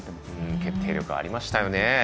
決定力がありましたよね。